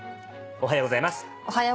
おはようございます。